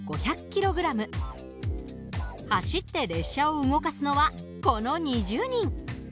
走って列車を動かすのはこの２０人。